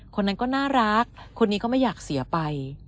คนนั้นก็น่ารักคนนี้ก็ไม่อยากเสียไป